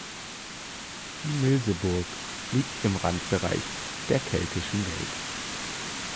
Die Milseburg liegt im Randbereich der keltischen Welt.